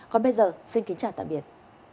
còn bây giờ xin kính chào tạm biệt